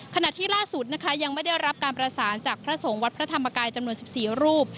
ขณะที่ล่าสุดนะคะยังไม่ได้รับการประสานจากพระสงฆ์วัดพระธรรมกายจำนวน๑๔รูป